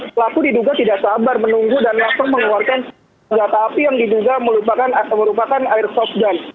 pelaku diduga tidak sabar menunggu dan langsung mengeluarkan senjata api yang diduga merupakan airsoft gun